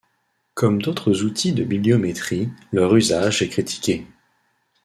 Comme d'autres outils de bibliométrie, leur usage est critiqué.